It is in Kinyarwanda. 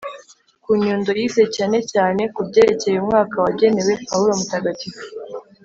ku nyundo yize cyane cyane ku byerekeye umwaka wagenewe paulo mutagatifu